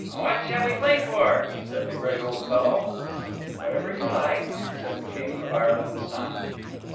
"What shall we play for?" said the gray old fellow. "Whatever you like," said the King of Ireland's Son.